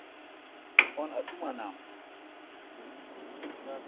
اون اتوما نام۔